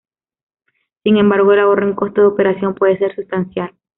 Sin embargo, el ahorro en costo de operación puede ser sustancial.